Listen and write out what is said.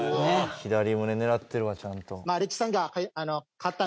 左胸狙ってるわちゃんと。